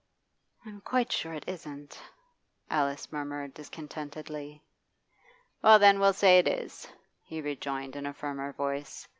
'I'm quite sure it isn't,' Alice murmured discontentedly. 'Well, then, we'll say it is,' he rejoined in a firmer voice.